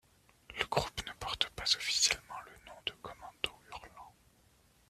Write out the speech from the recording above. Le groupe ne porte pas officiellement le nom de Commandos Hurlants.